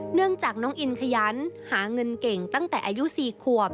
เนื่องจากน้องอินขยันหาเงินเก่งตั้งแต่อายุ๔ขวบ